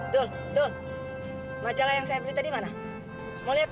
dulu dulu macara yang saya beli tadi mana mau lihat